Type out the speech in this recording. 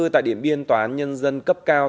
tại điện biên tòa nhân dân cấp cao